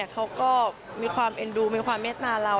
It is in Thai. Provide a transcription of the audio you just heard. เขาก็มีความเอ็นดูมีความเมตตาเรา